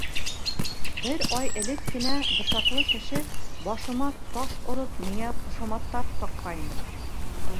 — Бер ай элек кенә бысаҡлы кеше, башыма таш ороп, миңә ҡушаматтар таҡҡайны...